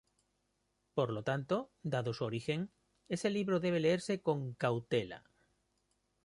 Por lo tanto, dado su origen, ese libro debe leerse con "cautela".